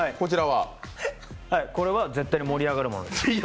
これは絶対に盛り上がるものです。